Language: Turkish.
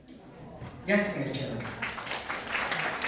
Yatmayacağım.